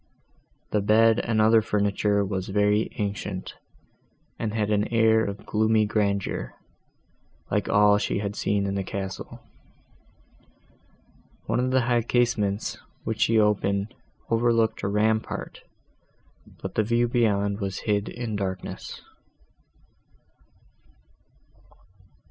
The bed and other furniture was very ancient, and had an air of gloomy grandeur, like all that she had seen in the castle. One of the high casements, which she opened, overlooked a rampart, but the view beyond was hid in darkness.